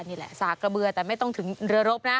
นี่แหละสากกระเบือแต่ไม่ต้องถึงเรือรบนะ